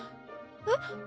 えっ？